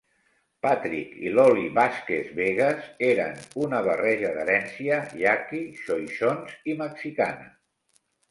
Patrick i Lolly Vasquez-Vegas eren una barreja d'herència yaqui, xoixons i mexicana.